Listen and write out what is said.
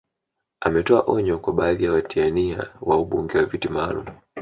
Ametoa onyo kwa baadhi ya watia nia wa ubunge wa viti maalum